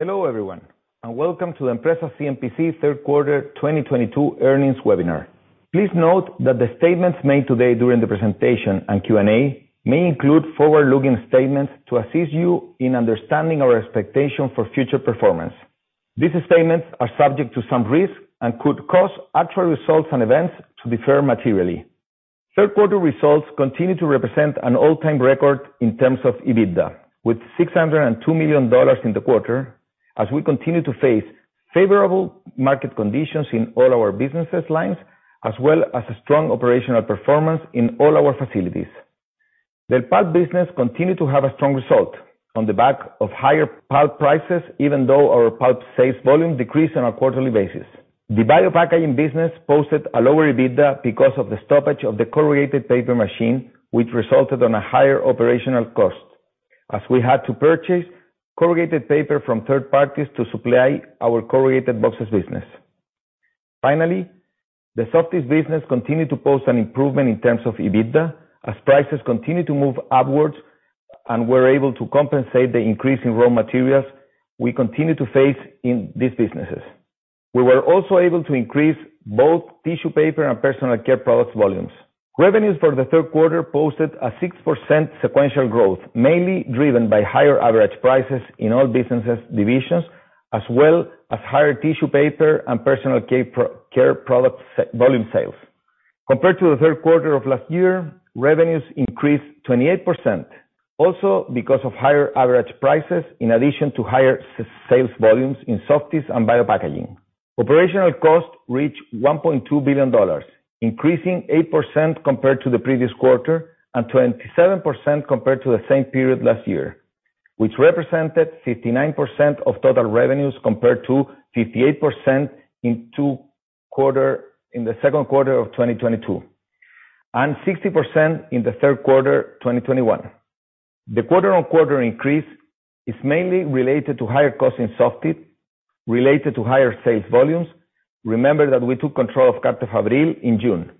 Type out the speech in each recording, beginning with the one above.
Hello everyone, welcome to the Empresas CMPC's third quarter 2022 earnings webinar. Please note that the statements made today during the presentation and Q&A may include forward-looking statements to assist you in understanding our expectation for future performance. These statements are subject to some risk and could cause actual results and events to differ materially. Third quarter results continue to represent an all-time record in terms of EBITDA, with $602 million in the quarter as we continue to face favorable market conditions in all our businesses lines, as well as a strong operational performance in all our facilities. The pulp business continued to have a strong result on the back of higher pulp prices, even though our pulp sales volume decreased on a quarterly basis. The biopackaging business posted a lower EBITDA because of the stoppage of the corrugated paper machine, which resulted on a higher operational cost as we had to purchase corrugated paper from third parties to supply our corrugated boxes business. The Softys business continued to post an improvement in terms of EBITDA as prices continued to move upwards and we're able to compensate the increase in raw materials we continue to face in these businesses. We were also able to increase both tissue paper and personal care products volumes. Revenues for the third quarter posted a 6% sequential growth, mainly driven by higher average prices in all businesses divisions, as well as higher tissue paper and personal care products volume sales. Compared to the third quarter of last year, revenues increased 28%, also because of higher average prices in addition to higher sales volumes in Softys and biopackaging. Operational costs reached $1.2 billion, increasing 8% compared to the previous quarter and 27% compared to the same period last year, which represented 59% of total revenues compared to 58% in the second quarter of 2022, and 60% in the third quarter 2021. The quarter-over-quarter increase is mainly related to higher cost in Softys related to higher sales volumes. Remember that we took control of Carta Fabril in June,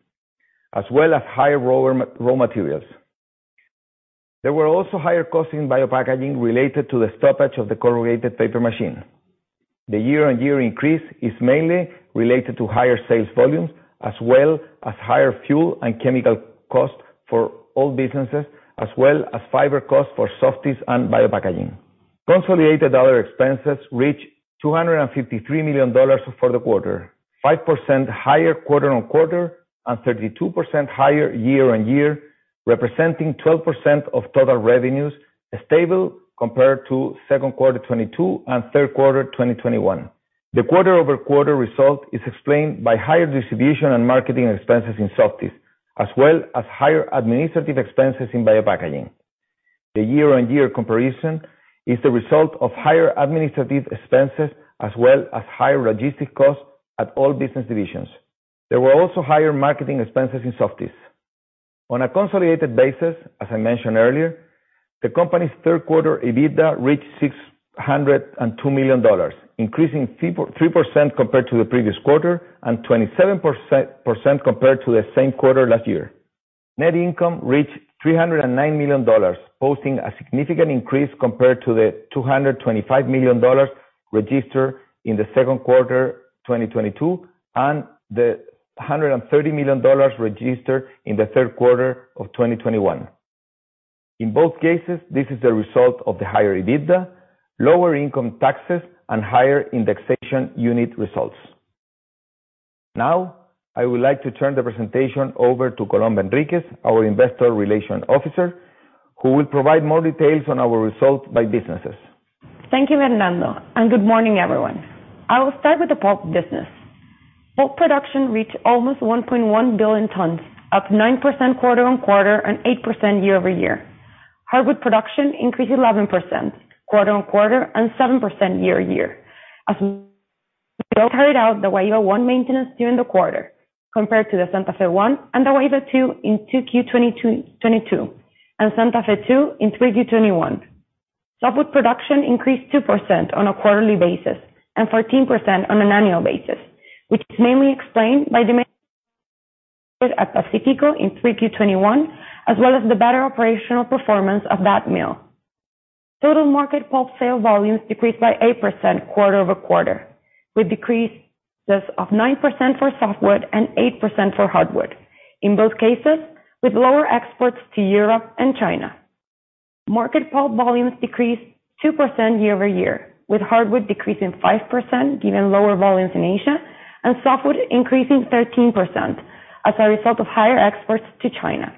as well as higher raw materials. There were also higher costs in biopackaging related to the stoppage of the corrugated paper machine. The year-on-year increase is mainly related to higher sales volumes, as well as higher fuel and chemical costs for all businesses, as well as fiber costs for Softys and biopackaging. Consolidated other expenses reached $253 million for the quarter, 5% higher quarter-on-quarter and 32% higher year-on-year, representing 12% of total revenues stable compared to second quarter 2022 and third quarter 2021. The quarter-over-quarter result is explained by higher distribution and marketing expenses in Softys, as well as higher administrative expenses in biopackaging. The year-on-year comparison is the result of higher administrative expenses, as well as higher logistics costs at all business divisions. There were also higher marketing expenses in Softys. On a consolidated basis, as I mentioned earlier, the company's third quarter EBITDA reached $602 million, increasing 33% compared to the previous quarter and 27% compared to the same quarter last year. Net income reached $309 million, posting a significant increase compared to the $225 million registered in the second quarter 2022, and the $130 million registered in the third quarter of 2021. In both cases, this is the result of the higher EBITDA, lower income taxes, and higher indexation unit results. Now, I would like to turn the presentation over to Colomba Henríquez, our Investor Relations Officer, who will provide more details on our results by businesses. Thank you, Fernando, good morning, everyone. I will start with the pulp business. Pulp production reached almost 1.1 billion tons, up 9% quarter-on-quarter and 8% year-over-year. Hardwood production increased 11% quarter-on-quarter and 7% year-over-year. carried out the Guaíba I maintenance during the quarter compared to the Santa Fe I and the Guaíba II in 2Q 2022, and Santa Fe Line 2 in 3Q 2021. Softwood production increased 2% on a quarterly basis and 14% on an annual basis, which is mainly explained by the at Pacífico in 3Q 2021, as well as the better operational performance of that mill. Total market pulp sale volumes decreased by 8% quarter-over-quarter, with decreases of 9% for softwood and 8% for hardwood, in both cases with lower exports to Europe and China. Market pulp volumes decreased 2% year-over-year, with hardwood decreasing 5% given lower volumes in Asia and softwood increasing 13% as a result of higher exports to China.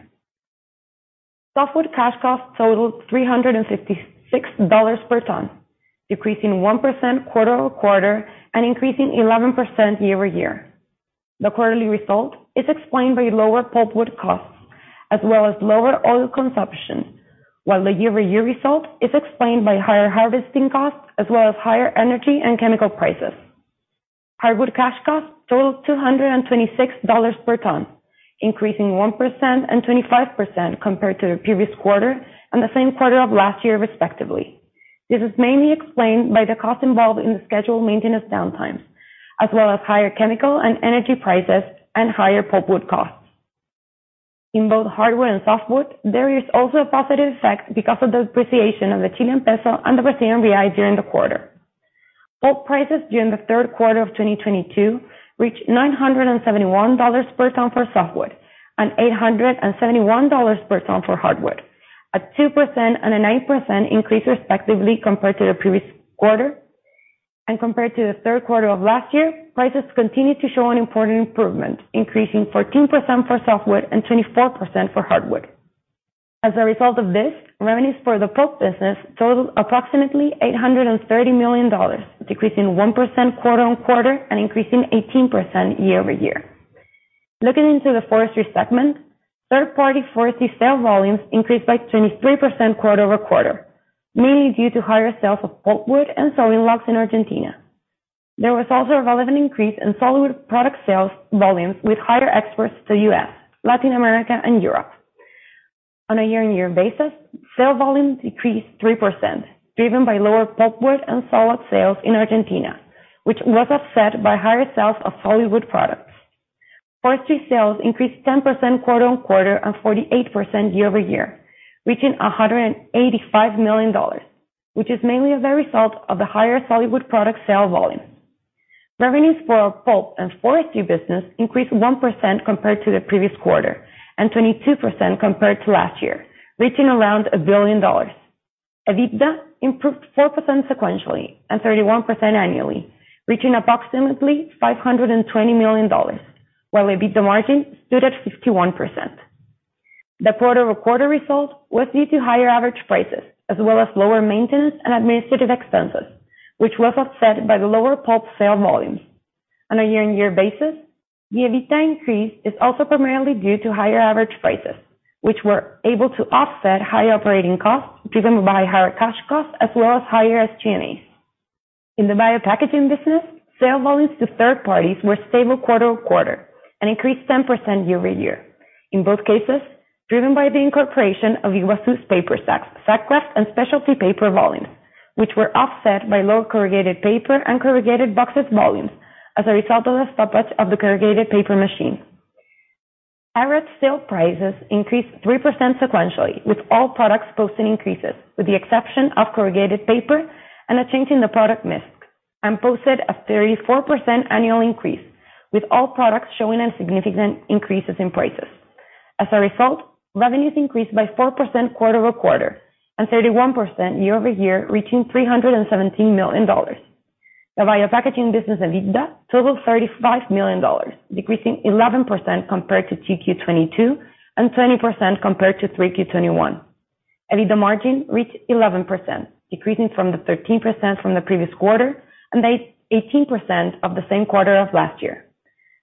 Softwood cash costs totaled $356 per ton, decreasing 1% quarter-over-quarter and increasing 11% year-over-year. The quarterly result is explained by lower pulpwood costs as well as lower oil consumption, while the year-over-year result is explained by higher harvesting costs as well as higher energy and chemical prices. Hardwood cash costs totaled $226 per ton, increasing 1% and 25% compared to the previous quarter and the same quarter of last year respectively. This is mainly explained by the cost involved in the scheduled maintenance downtimes, as well as higher chemical and energy prices and higher pulpwood costs. In both hardwood and softwood, there is also a positive effect because of the appreciation of the Chilean peso and the Brazilian real during the quarter. Pulp prices during the third quarter of 2022 reached $971 per ton for softwood, and $871 per ton for hardwood. 2% and 9% increase respectively compared to the previous quarter. Compared to the third quarter of last year, prices continued to show an important improvement, increasing 14% for softwood and 24% for hardwood. As a result of this, revenues for the pulp business totaled approximately $830 million, decreasing 1% quarter-over-quarter and increasing 18% year-over-year. Looking into the forestry segment, third party forestry sale volumes increased by 23% quarter-over-quarter, mainly due to higher sales of pulpwood and sawing logs in Argentina. There was also a relevant increase in solid wood product sales volumes with higher exports to U.S., Latin America and Europe. On a year-over-year basis, sale volumes decreased 3%, driven by lower pulpwood and solid sales in Argentina, which was offset by higher sales of solid wood products. Forestry sales increased 10% quarter-over-quarter and 48% year-over-year, reaching $185 million, which is mainly as a result of the higher solid wood product sale volumes. Revenues for our pulp and forestry business increased 1% compared to the previous quarter and 22% compared to last year, reaching around $1 billion. EBITDA improved 4% sequentially and 31% annually, reaching approximately $520 million, while EBITDA margin stood at 51%. The quarter-over-quarter result was due to higher average prices as well as lower maintenance and administrative expenses, which was offset by the lower pulp sale volumes. On a year-over-year basis, the EBITDA increase is also primarily due to higher average prices, which were able to offset higher operating costs driven by higher cash costs as well as higher SG&As. In the biopackaging business, sale volumes to third parties were stable quarter-over-quarter and increased 10% year-over-year. In both cases, driven by the incorporation of Iguaçu paper sacks, Sack Kraft and specialty paper volumes, which were offset by lower corrugated paper and corrugated boxes volumes as a result of the stoppage of the corrugated paper machine. Average sale prices increased 3% sequentially, with all products posting increases with the exception of corrugated paper and a change in the product misc, and posted a 34% annual increase, with all products showing significant increases in prices. As a result, revenues increased by 4% quarter-over-quarter and 31% year-over-year, reaching $317 million. The biopackaging business EBITDA totaled $35 million, decreasing 11% compared to Q2 2022 and 20% compared to 3Q 2021. EBITDA margin reached 11%, decreasing from the 13% from the previous quarter and the 18% of the same quarter of last year.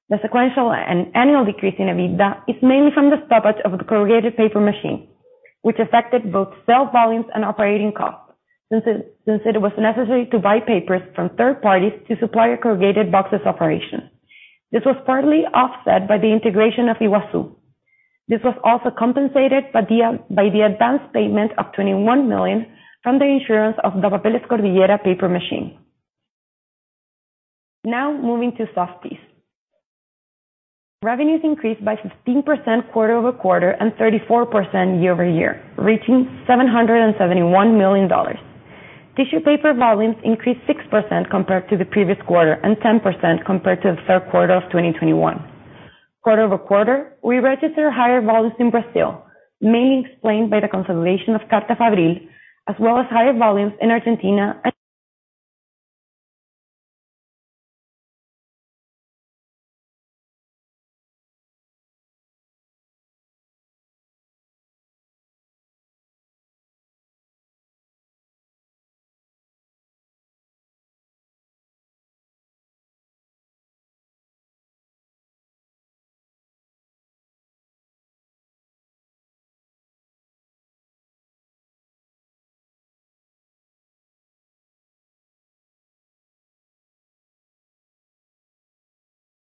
The sequential and annual decrease in EBITDA is mainly from the stoppage of the corrugated paper machine, which affected both sales volumes and operating costs since it was necessary to buy papers from third parties to supply corrugated boxes operation. This was partly offset by the integration of Iguaçu. This was also compensated by the advanced payment of $21 million from the insurance of Papeles Cordillera paper machine. Moving to Softys. Revenues increased by 15% quarter-over-quarter and 34% year-over-year, reaching $771 million. Tissue paper volumes increased 6% compared to the previous quarter and 10% compared to the third quarter of 2021. Quarter-over-quarter, we registered higher volumes in Brazil, mainly explained by the consolidation of Carta Fabril, as well as higher volumes in Argentina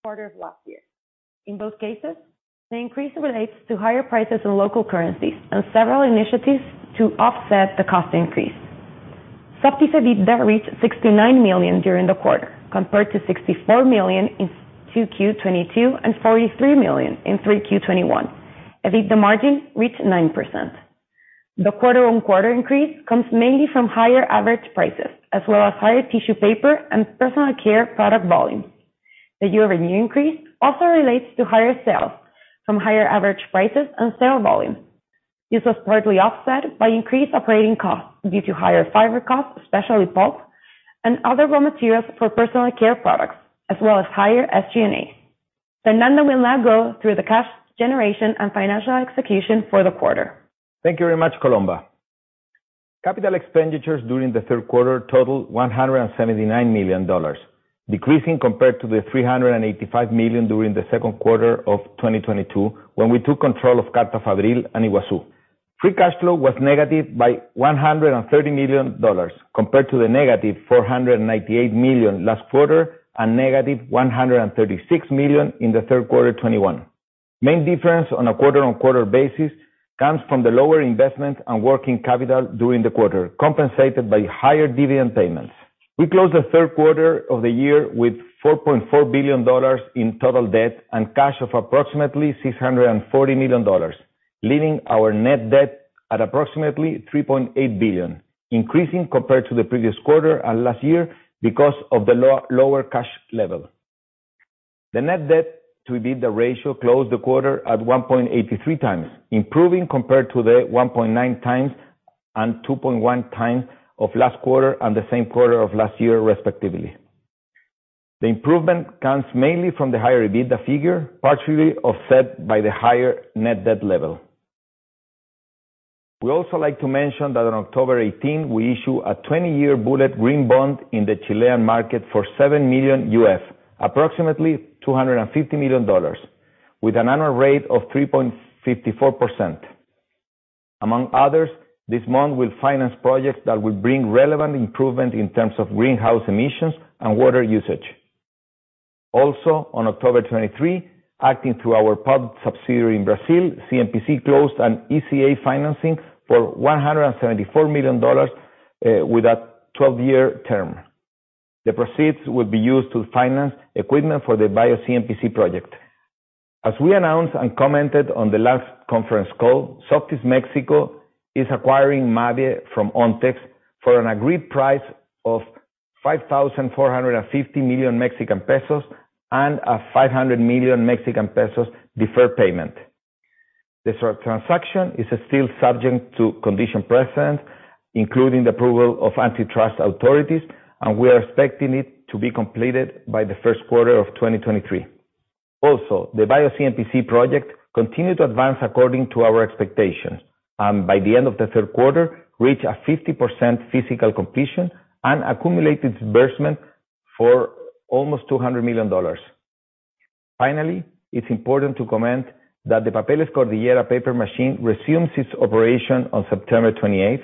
Quarter of last year. In both cases, the increase relates to higher prices in local currencies and several initiatives to offset the cost increase. Softys EBITDA reached $69 million during the quarter, compared to $64 million in 2Q 2022 and $43 million in 3Q 2021. EBITDA margin reached 9%. The quarter-on-quarter increase comes mainly from higher average prices as well as higher tissue paper and personal care product volumes. The year-over-year increase also relates to higher sales from higher average prices and sale volumes. This was partly offset by increased operating costs due to higher fiber costs, especially pulp and other raw materials for personal care products, as well as higher SG&A. Fernando will now go through the cash generation and financial execution for the quarter. Thank you very much, Colomba. Capital expenditures during the third quarter totaled $179 million, decreasing compared to the $385 million during the second quarter of 2022, when we took control of Carta Fabril and Iguaçu. Free Cash Flow was negative by $130 million compared to the -$498 million last quarter and negative $136 million in the third quarter 2021. Main difference on a quarter-on-quarter basis comes from the lower investment and working capital during the quarter, compensated by higher dividend payments. We closed the third quarter of the year with $4.4 billion in total debt and cash of approximately $640 million, leaving our net debt at approximately $3.8 billion, increasing compared to the previous quarter and last year because of the lower cash level. The net debt to EBITDA ratio closed the quarter at 1.83x, improving compared to the 1.9x and 2.1x of last quarter and the same quarter of last year, respectively. The improvement comes mainly from the higher EBITDA figure, partially offset by the higher net debt level. We also like to mention that on October 18th, we issue a 20-year bullet green bond in the Chilean market for 7 million UF, approximately $250 million with an annual rate of 3.54%. Among others, this month we'll finance projects that will bring relevant improvement in terms of greenhouse emissions and water usage. Also, on October 23, acting through our pulp subsidiary in Brazil, CMPC closed an ECA financing for $174 million with a 12-year term. The proceeds will be used to finance equipment for the BioCMPC project. As we announced and commented on the last conference call, Softys Mexico is acquiring Mabe from Ontex for an agreed price of 5,450 million Mexican pesos and a 500 million Mexican pesos deferred payment. This transaction is still subject to condition precedent, including the approval of antitrust authorities, and we are expecting it to be completed by the first quarter of 2023. The BioCMPC project continued to advance according to our expectations, and by the end of the third quarter, reached a 50% physical completion and accumulated disbursement for almost $200 million. It's important to comment that the Papeles Cordillera paper machine resumes its operation on September 28th,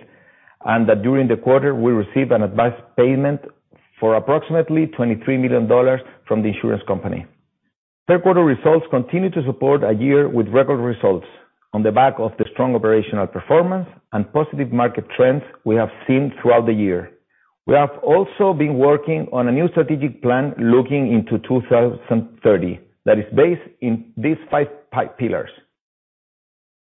and that during the quarter we received an advanced payment for approximately $23 million from the insurance company. Third quarter results continue to support a year with record results on the back of the strong operational performance and positive market trends we have seen throughout the year. We have also been working on a new strategic plan looking into 2030 that is based in these five pillars.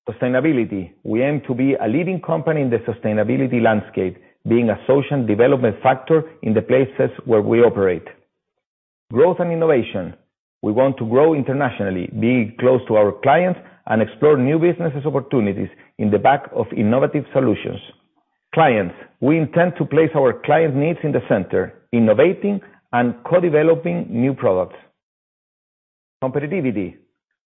Sustainability. We aim to be a leading company in the sustainability landscape, being a social development factor in the places where we operate. Growth and innovation. We want to grow internationally, being close to our clients, and explore new businesses opportunities in the back of innovative solutions. Clients. We intend to place our clients' needs in the center, innovating and co-developing new products. Competitivity.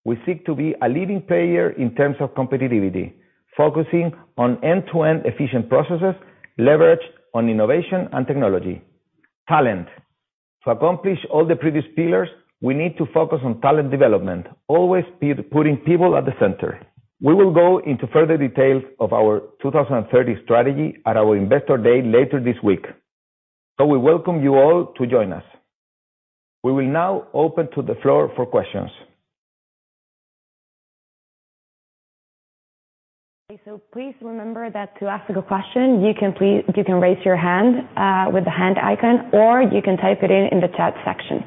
We seek to be a leading player in terms of competitivity, focusing on end-to-end efficient processes, leverage on innovation and technology. Talent. To accomplish all the previous pillars, we need to focus on talent development, always putting people at the center. We will go into further details of our 2030 strategy at our Investor Day later this week. We welcome you all to join us. We will now open to the floor for questions. Please remember that to ask a question, you can raise your hand with the hand icon, or you can type it in in the chat section.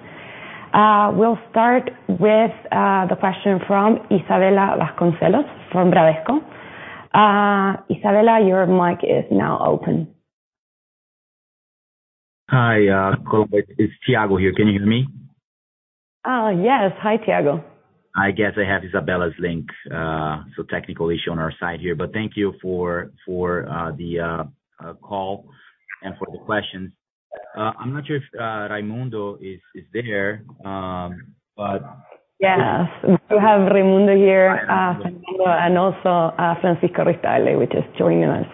We'll start with the question from Isabella Vasconcelos from Bradesco. Isabella, your mic is now open. Hi, it's Thiago here. Can you hear me? Yes. Hi, Thiago. I guess I have Isabella's link. Technical issue on our side here. Thank you for the call and for the questions. I'm not sure if Raimundo is there. Yes, we have Raimundo here, and also, Francisco Ruiz-Tagle which is joining us,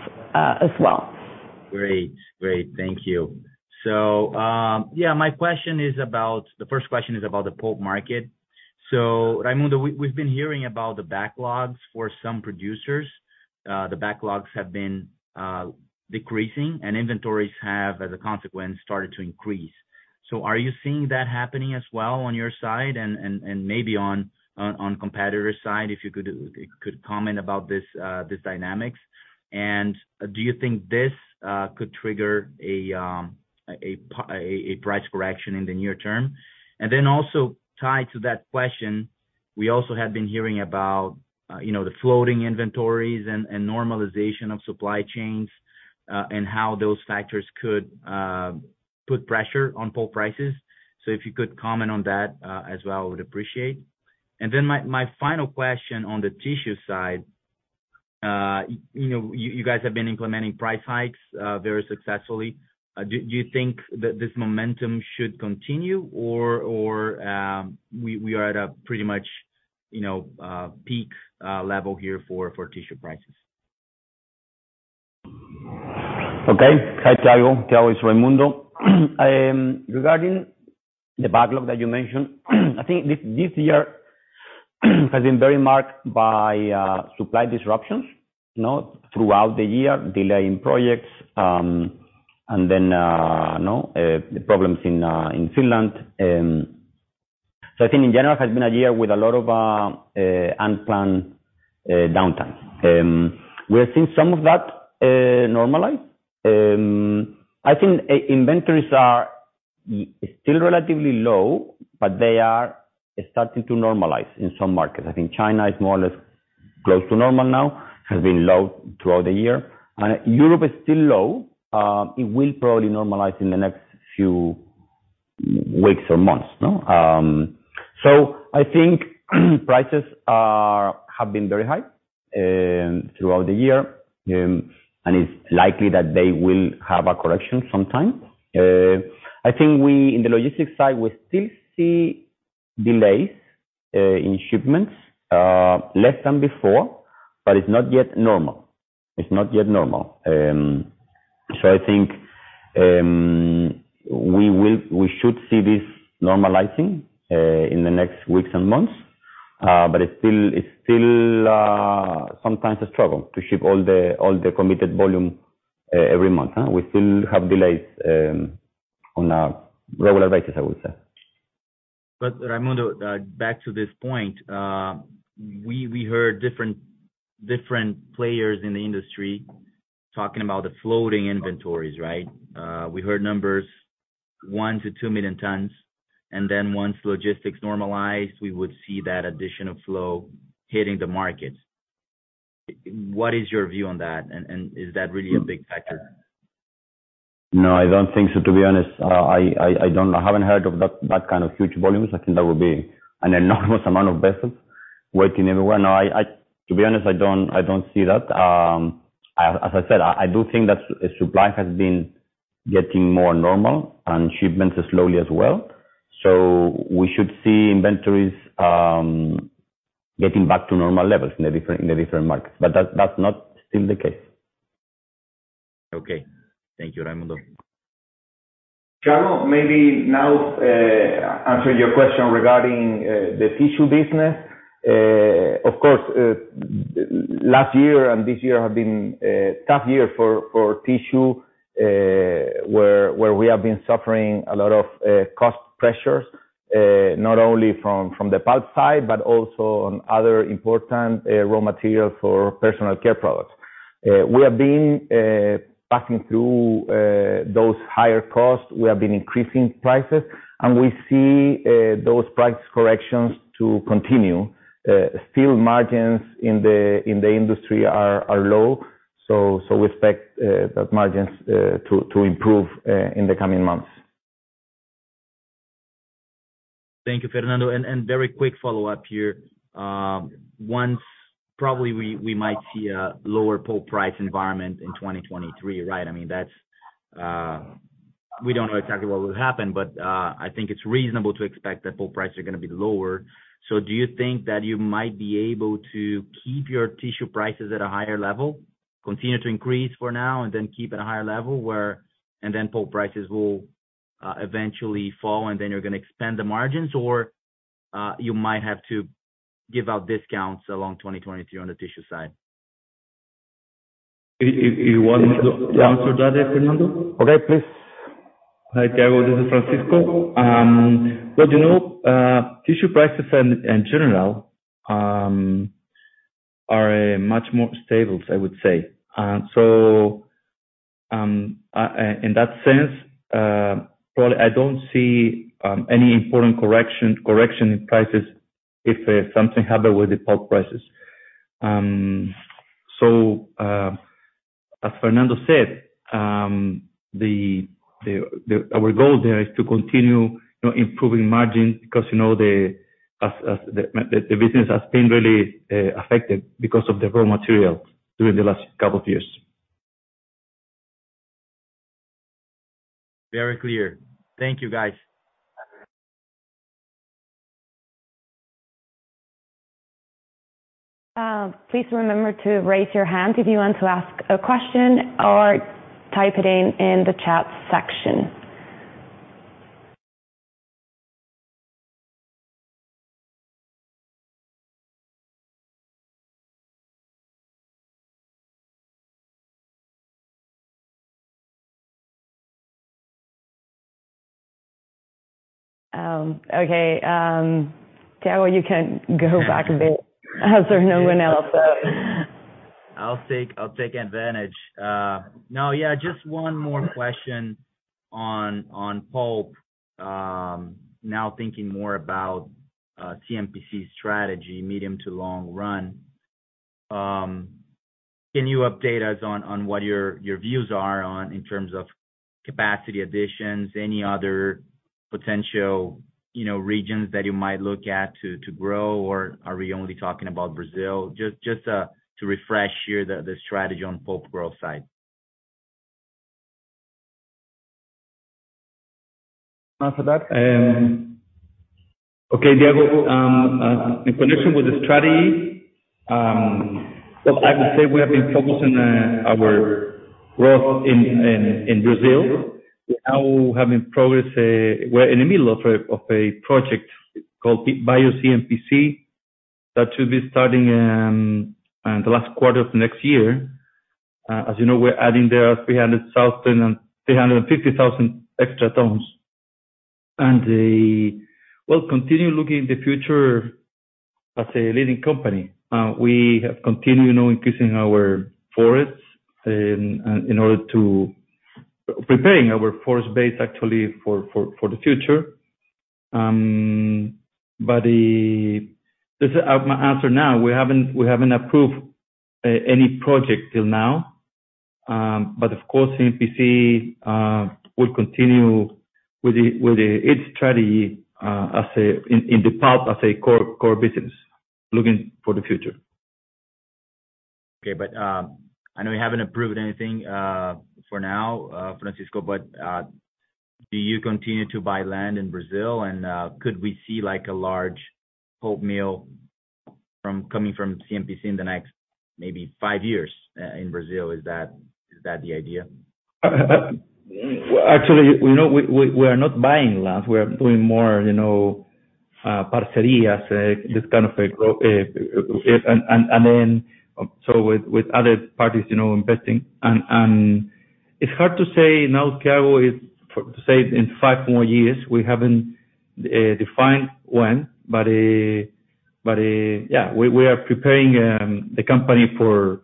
as well. Great. Great. Thank you. My first question is about the pulp market. Raimundo, we've been hearing about the backlogs for some producers. The backlogs have been decreasing, and inventories have, as a consequence, started to increase. Are you seeing that happening as well on your side? Maybe on competitors' side, if you could comment about this dynamics. Do you think this could trigger a price correction in the near term? Also tied to that question, we also have been hearing about, you know, the floating inventories and normalization of supply chains, and how those factors could put pressure on pulp prices. If you could comment on that as well, I would appreciate. My final question on the tissue side. You know, you guys have been implementing price hikes, very successfully. Do you think that this momentum should continue or we are at a pretty much, you know, peak level here for tissue prices? Okay. Hi, Thiago. Thiago, it's Raimundo. Regarding the backlog that you mentioned, I think this year has been very marked by supply disruptions, you know, throughout the year, delay in projects, you know, the problems in Finland. I think in general, it has been a year with a lot of unplanned downtimes. We have seen some of that normalize. I think inventories are still relatively low, but they are starting to normalize in some markets. I think China is more or less close to normal now, has been low throughout the year, and Europe is still low. It will probably normalize in the next few weeks or months, no? I think prices have been very high throughout the year, and it's likely that they will have a correction sometime. I think in the logistics side, we still see delays in shipments, less than before, but it's not yet normal. It's not yet normal. I think we should see this normalizing in the next weeks and months. It's still sometimes a struggle to ship all the committed volume every month. We still have delays on a regular basis, I would say. Raimundo, back to this point, we heard different players in the industry talking about the floating inventories, right? We heard numbers 1 million-2 million tons, and then once logistics normalized, we would see that additional flow hitting the market. What is your view on that? Is that really a big factor? No, I don't think so, to be honest. I haven't heard of that kind of huge volumes. I think that would be an enormous amount of vessels working everywhere. No, to be honest, I don't see that. As I said, I do think that supply has been getting more normal and shipments are slowly as well. We should see inventories getting back to normal levels in the different markets. That's not still the case. Okay. Thank you, Raimundo. Thiago, maybe now answer your question regarding the tissue business. Of course, last year and this year have been a tough year for tissue, where we have been suffering a lot of cost pressures, not only from the pulp side, but also on other important raw materials for personal care products. We have been passing through those higher costs. We have been increasing prices, and we see those price corrections to continue. Still margins in the industry are low, so we expect that margins to improve in the coming months. Thank you, Fernando. Very quick follow-up here. Once probably we might see a lower pulp price environment in 2023, right? I mean, that's-- We don't know exactly what will happen, but I think it's reasonable to expect that pulp prices are gonna be lower. Do you think that you might be able to keep your tissue prices at a higher level, continue to increase for now and then keep at a higher level where... Then pulp prices will eventually fall, and then you're gonna expand the margins or you might have to give out discounts along 2023 on the tissue side? You want me to answer that, Fernando? Okay, please. Hi, Thiago. This is Francisco. You know, tissue prices in general are much more stable, I would say. In that sense, probably I don't see any important correction in prices if something happen with the pulp prices. As Fernando said, our goal there is to continue, you know, improving margin because, you know, the business has been really affected because of the raw materials during the last couple of years. Very clear. Thank you, guys. Please remember to raise your hand if you want to ask a question or type it in in the chat section. Okay. Thiago, you can go back a bit as there's no one else. I'll take advantage. No, yeah, just one more question on pulp. Now thinking more about CMPC's strategy, medium to long run. Can you update us on what your views are on in terms of capacity additions, any other potential, you know, regions that you might look at to grow, or are we only talking about Brazil? Just to refresh here the strategy on pulp growth side. Answer that? Okay, Thiago. In connection with the strategy, well, I would say we have been focusing our growth in Brazil. We now have in progress, we're in the middle of a project called BioCMPC that should be starting in the last quarter of next year. As you know, we're adding there 300,000 and 350,000 extra tons. Well, continue looking in the future as a leading company. We have continued, you know, increasing our forests in order to preparing our forest base actually for the future. This, my answer now, we haven't approved any project till now. Of course, CMPC will continue with the its strategy, as a, in the pulp as a core business looking for the future. Okay. I know you haven't approved anything for now, Francisco, but do you continue to buy land in Brazil? Could we see like a large pulp mill from, coming from CMPC in the next maybe five years in Brazil? Is that, is that the idea? Well, actually, we know we are not buying land. We are doing more, you know, parceria, this kind of a grow, with other parties, you know, investing. It's hard to say now, Thiago, is say in five more years, we haven't defined when. Yeah, we are preparing the company for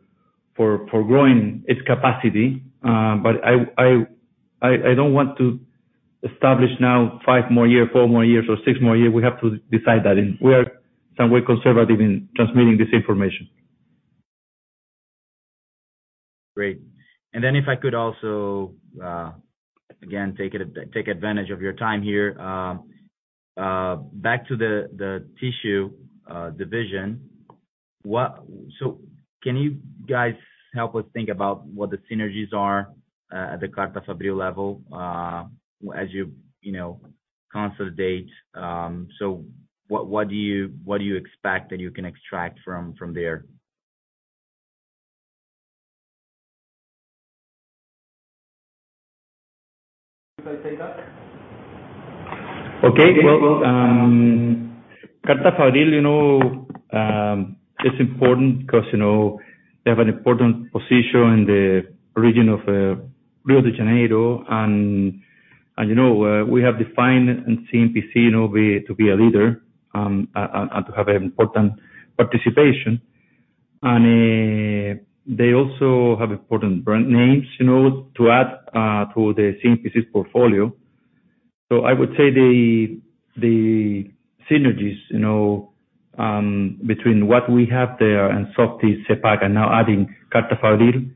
growing its capacity. I don't want to establish now five more year, four more years or six more year. We have to decide that in... We are some way conservative in transmitting this information. Great. If I could also, again, take advantage of your time here. Back to the tissue division. Can you guys help us think about what the synergies are at the Carta Fabril level as you know, consolidate? What do you expect that you can extract from there? Should I take that? Okay. Well, Carta Fabril, you know, is important because, you know, they have an important position in the region of Rio de Janeiro, and, you know, we have defined in CMPC, you know, to be a leader and to have an important participation. They also have important brand names, you know, to add to the CMPC's portfolio. I would say the synergies, you know, between what we have there and Softys, Sepac, and now adding Carta Fabril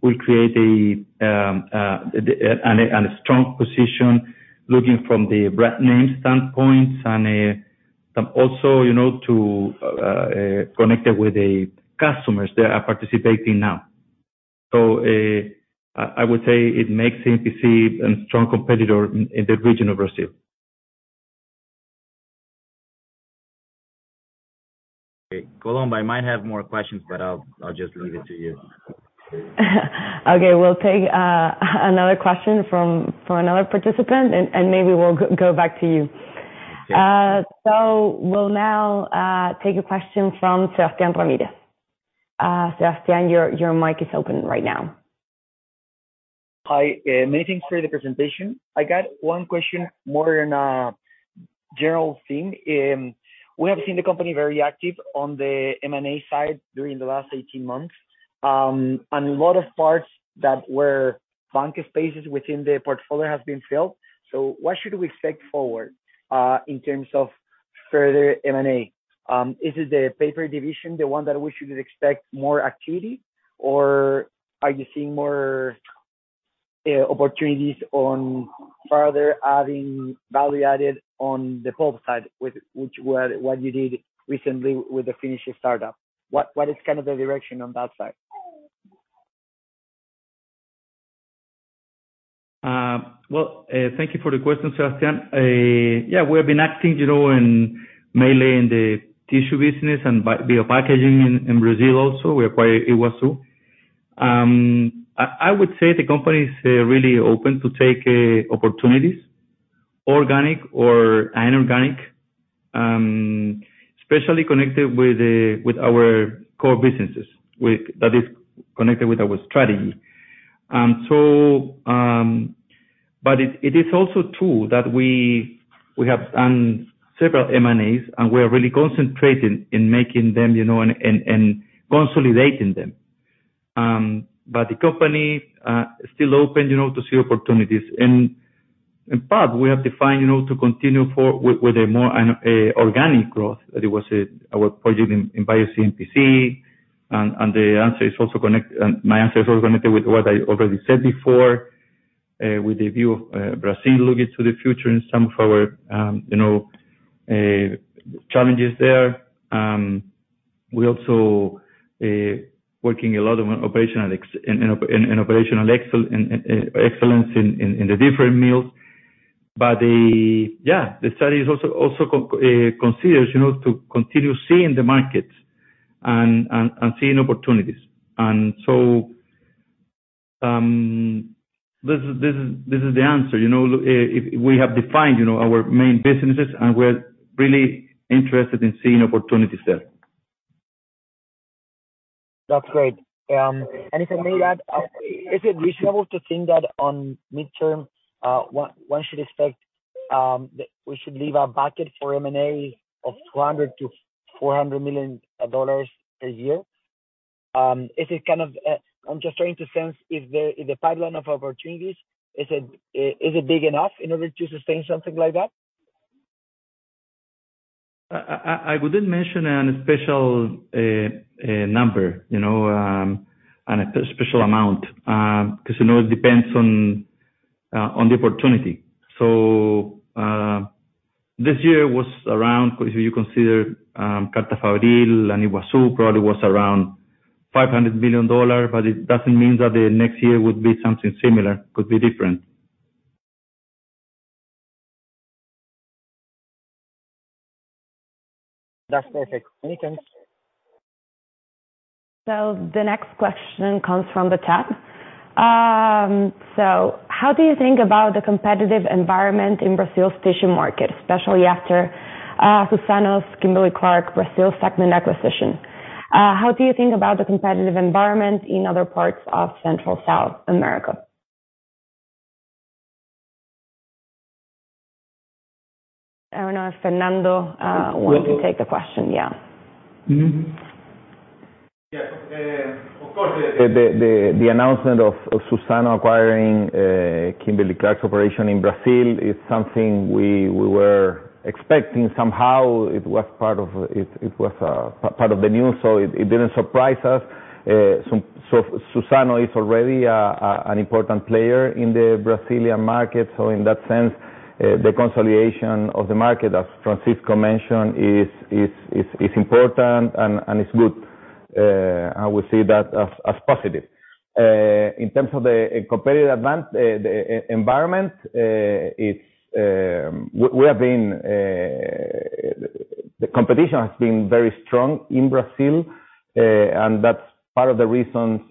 will create a strong position looking from the brand name standpoint and also, you know, to connect it with the customers that are participating now. I would say it makes CMPC a strong competitor in the region of Brazil. Okay. Colomba, I might have more questions, but I'll just leave it to you. Okay. We'll take another question from another participant, and maybe we'll go back to you. Okay. We'll now take a question from Sebastián Ramírez. Sebastián, your mic is open right now. Hi, many thanks for the presentation. I got one question more in a general theme. We have seen the company very active on the M&A side during the last 18 months. And a lot of parts that were blank spaces within the portfolio has been filled. What should we expect forward, in terms of further M&A? Is it the paper division, the one that we should expect more activity? Or are you seeing more opportunities on further adding value added on the pulp side with which, what you did recently with the Finnish startup? What is kind of the direction on that side? Well, thank you for the question, Sebastian. Yeah, we have been acting, you know, mainly in the tissue business and biopackaging in Brazil also, we acquired Iguaçu. I would say the company is really open to take opportunities, organic or inorganic, especially connected with our core businesses. That is connected with our strategy. It is also true that we have done several M&As, and we are really concentrating in making them, you know, and consolidating them. The company is still open, you know, to see opportunities. In part, we have defined, you know, to continue with a more organic growth. That it was our project in BioCMPC. My answer is also connected with what I already said before, with the view of Brazil looking to the future in some of our, you know, challenges there. We're also working a lot on operational excellence in the different mills. The-- Yeah, the study is also considers, you know, to continue seeing the markets and seeing opportunities. This is the answer. You know, if we have defined, you know, our main businesses, we're really interested in seeing opportunities there. That's great. If I may add, is it reasonable to think that on midterm, one should expect that we should leave our budget for M&A of $200 million-$400 million a year? I'm just trying to sense if the pipeline of opportunities is big enough in order to sustain something like that? I wouldn't mention any special number, you know, and a special amount, 'cause, you know, it depends on the opportunity. This year was around, if you consider Carta Fabril, Iguaçu, probably was around $500 million. It doesn't mean that the next year would be something similar. Could be different. That's perfect. Many thanks. The next question comes from the chat. How do you think about the competitive environment in Brazil's tissue market, especially after Suzano's Kimberly-Clark Brazil segment acquisition? How do you think about the competitive environment in other parts of Central South America? I don't know if Fernando wants to take the question. Yeah. Of course, the announcement of Suzano acquiring Kimberly-Clark's operation in Brazil is something we were expecting somehow. It was part of the news, so it didn't surprise us. Suzano is already an important player in the Brazilian market. In that sense, the consolidation of the market, as Francisco mentioned, is important and it's good. I will see that as positive. In terms of the competitive advance, the environment, it's-- The competition has been very strong in Brazil, that's part of the reasons,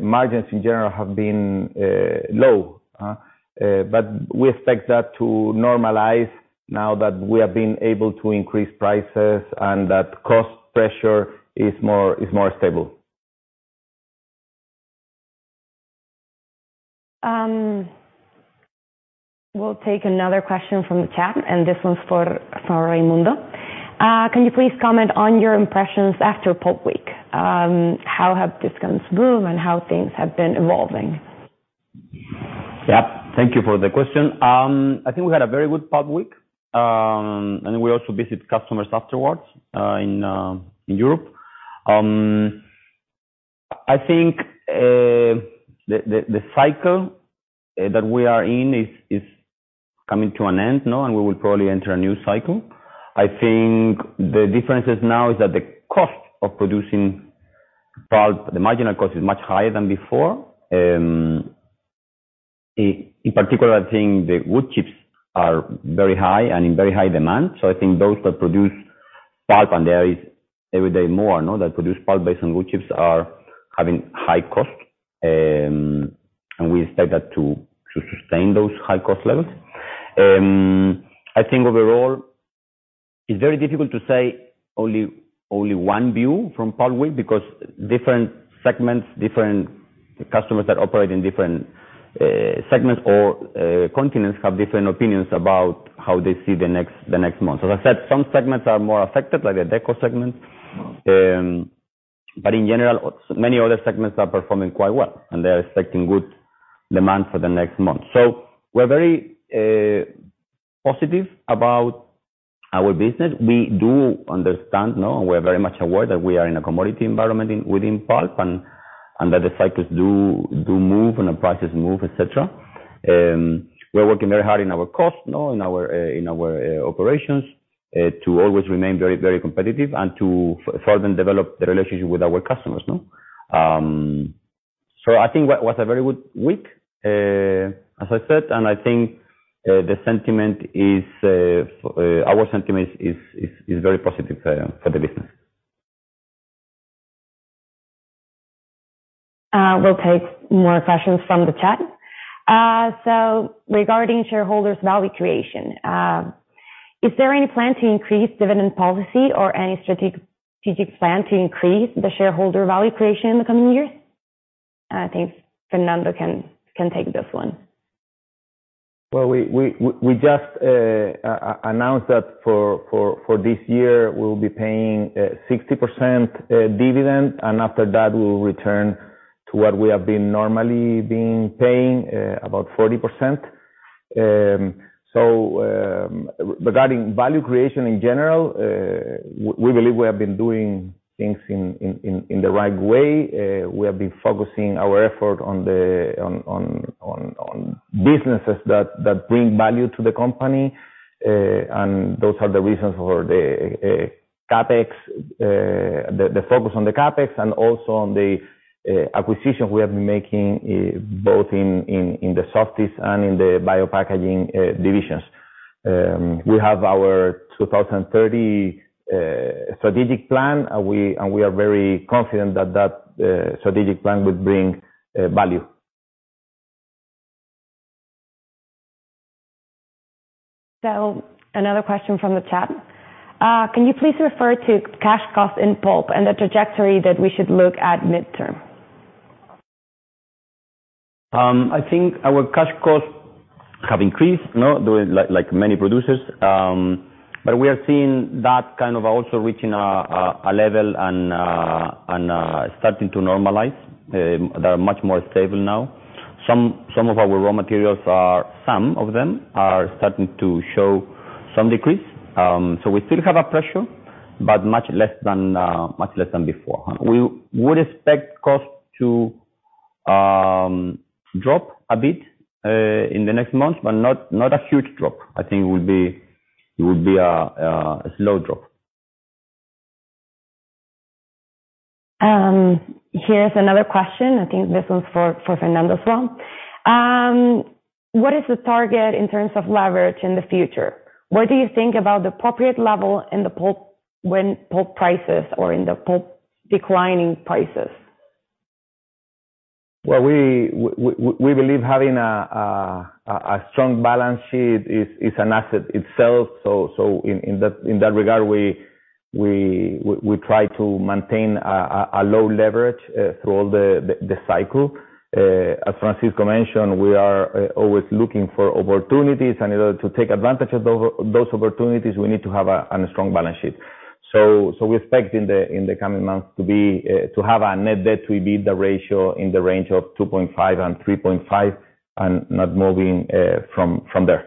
margins in general have been low. We expect that to normalize now that we have been able to increase prices and that cost pressure is more stable. We'll take another question from the chat. This one's for Raimundo. Can you please comment on your impressions after Pulp Week? How have discounts grown and how things have been evolving? Yeah. Thank you for the question. I think we had a very good Pulp Week. We also visit customers afterwards in Europe. I think the cycle that we are in is coming to an end, no, we will probably enter a new cycle. I think the differences now is that the cost of producing pulp, the marginal cost is much higher than before. In particular, I think the wood chips are very high and in very high demand. I think those that produce pulp, and there is every day more, no, that produce pulp based on wood chips are having high cost. We expect that to sustain those high cost levels. I think overall it's very difficult to say only one view from Pulp Week because different segments, different customers that operate in different segments or continents have different opinions about how they see the next month. As I said, some segments are more affected, like the decor segment. In general, many other segments are performing quite well, and they are expecting good demand for the next month. We're very positive about our business. We do understand, we're very much aware that we are in a commodity environment within pulp and that the cycles do move and the prices move, et cetera. We're working very hard in our cost, in our operations, to always remain very, very competitive and to further develop the relationship with our customers, no? I think what was a very good week, as I said, and I think the sentiment is, our sentiment is very positive for the business. We'll take more questions from the chat. Regarding shareholders value creation, is there any plan to increase dividend policy or any strategic plan to increase the shareholders value creation in the coming years? I think Fernando can take this one. Well, we just announce that for this year, we'll be paying 60% dividend, and after that, we'll return to what we have been normally paying about 40%. Regarding value creation in general, we believe we have been doing things in the right way. We have been focusing our effort on the businesses that bring value to the company. Those are the reasons for the CapEx, the focus on the CapEx and also on the acquisition we have been making both in the Softys and in the biopackaging divisions. We have our 2030 strategic plan. We are very confident that strategic plan will bring value. Another question from the chat. Can you please refer to cash costs in pulp and the trajectory that we should look at midterm? I think our cash costs have increased, you know, doing like many producers. We are seeing that kind of also reaching a level and starting to normalize. They are much more stable now. Some of our raw materials are-- Some of them are starting to show some decrease. We still have a pressure, but much less than much less than before. We would expect costs to drop a bit in the next months, but not a huge drop. I think it would be, it would be a slow drop. Here's another question. I think this one's for Fernando as well. What is the target in terms of leverage in the future? What do you think about the appropriate level in the pulp when pulp prices or in the pulp declining prices? Well, we believe having a strong balance sheet is an asset itself. In that regard, we try to maintain a low leverage through all the cycle. As Francisco mentioned, we are always looking for opportunities, and in order to take advantage of those opportunities, we need to have an strong balance sheet. We expect in the coming months to be to have our net debt to be the ratio in the range of 2.5 and 3.5 and not moving from there.